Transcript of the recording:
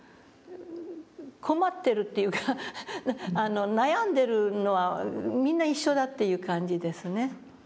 困ってるっていうか悩んでるのは皆一緒だという感じですね。